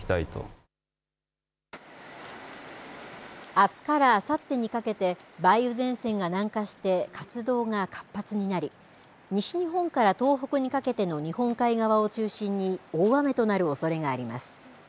あすからあさってにかけて梅雨前線が南下して活動が活発になり西日本から東北にかけての日本海側を中心に大雨となるおそれがあります。